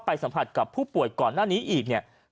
ไปสัมผัสกับผู้ป่วยก่อนหน้านี้อีก